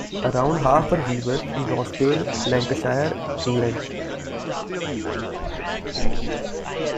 Around half were weavers in Rochdale, Lancashire, England.